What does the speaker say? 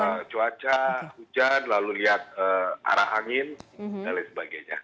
lihat cuaca hujan lalu lihat arah angin dan lain sebagainya